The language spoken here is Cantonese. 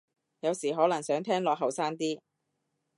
有時可能想聽落後生啲